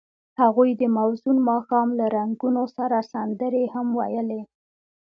هغوی د موزون ماښام له رنګونو سره سندرې هم ویلې.